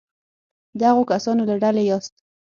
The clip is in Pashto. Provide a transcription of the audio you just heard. د هغو کسانو له ډلې یاست.